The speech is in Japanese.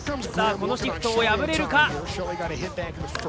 さあ、このシフトを破れるか。